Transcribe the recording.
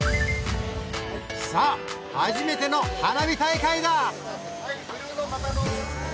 さぁ初めての花火大会だ！